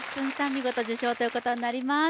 見事受賞ということになります